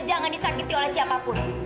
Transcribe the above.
jangan disakiti oleh siapapun